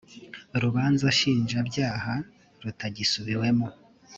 rubanza nshinjabyaha rutagisubiwemo